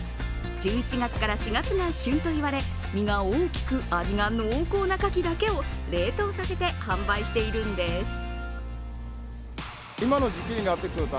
１１月から４月が旬といわれ身が大きく味が濃厚なかきだけを冷凍させて販売しているんです。